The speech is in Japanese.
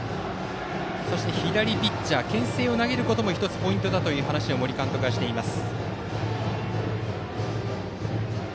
そして左ピッチャーけん制を投げることも１つポイントだという話を森監督がしています。